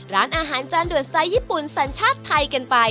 ร้านอาหารจานด่วนสไตล์ญี่ปุ่นสัญชาติไทยกันไป